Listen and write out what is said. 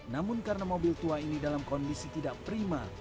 namun karena mobil tua ini dalam kondisi tidak prima